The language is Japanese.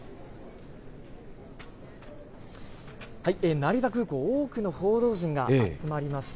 成田空港、多くの報道陣が集まりました。